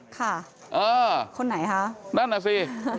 ค่ะคนไหนคะใครหรอนั่นน่ะสิ